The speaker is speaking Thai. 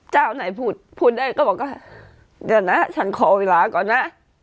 เจ้าไหนพูดพูดได้ก็บอกว่าเดี๋ยวนะฉันขอเวลาก่อนนะ